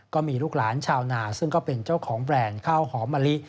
ก็มีลูกหลานชาวนาซึ่งก็เป็นเจ้าของแบรนด์ข้าวหอมมะลิ